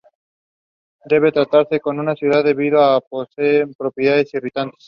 Debe tratarse con cuidado debido a que posee propiedades irritantes.